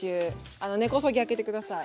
あの根こそぎ開けて下さい。